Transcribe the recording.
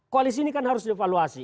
koalisi ini kan harus dievaluasi